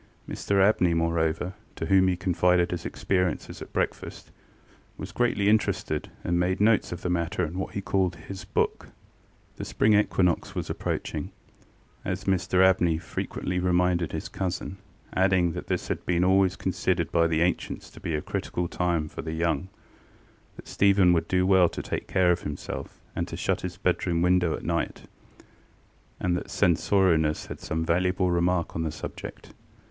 Mr Abney, moreover, to whom he confided his experiences at breakfast, was greatly interested, and made notes of the matter in what he called ŌĆ£his bookŌĆØ. The spring equinox was approaching, as Mr Abney frequently reminded his cousin, adding that this had been always considered by the ancients to be a critical time for the young: that Stephen would do well to take care of himself, and to shut his bedroom window at night; and that Censorinus had some valuable remarks on the subject.